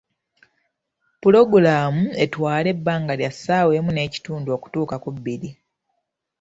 Pulogulaamu etwale ebbanga lya ssaawa emu n’ekitundu okutuuka ku bbiri.